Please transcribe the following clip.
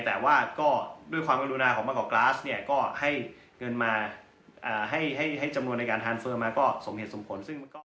แต่ว่าก็ด้วยความกรุณาของมาก่อกราสเนี่ยก็ให้เงินมาให้จำนวนในการทานเฟิร์มมาก็สมเหตุสมผล